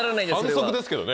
反則ですけどね。